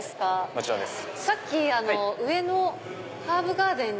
もちろんです。